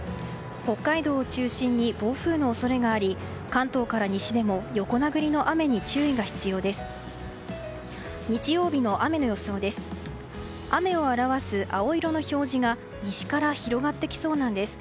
北海道を中心に暴風の恐れがあり関東から西でも横殴りの雨に注意が必要です。